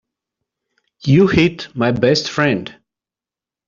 You hit my best friend.